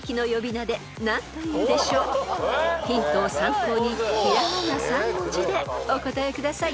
［ヒントを参考に平仮名３文字でお答えください］